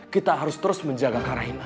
kita harus terus menjaga karaina